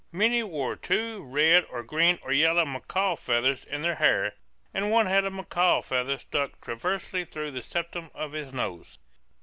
Many wore two red or green or yellow macaw feathers in their hair, and one had a macaw feather stuck transversely through the septum of his nose.